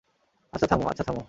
আচ্ছা থামো-- - আচ্ছা থামো।